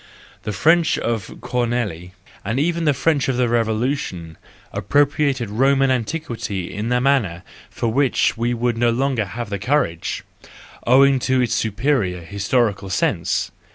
The French of Corneille, and even the French of the Revolution, appropriated Roman antiquity in a manner for which we would no longer have the courage—owing to our superior historical sense.